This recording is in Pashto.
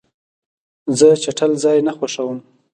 زه چټل ځای نه خوښوم.